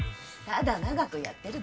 ただ長くやってるだけよ。